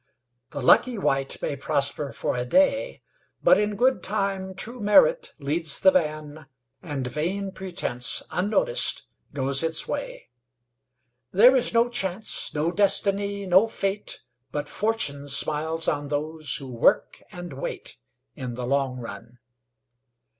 The lucky wight may prosper for a day, But in good time true merit leads the van And vain pretence, unnoticed, goes its way. There is no Chance, no Destiny, no Fate, But Fortune smiles on those who work and wait, In the long run.